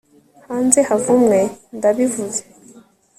Hanze havumwe Ndabivuze